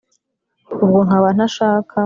ubwo nkaba ntashaka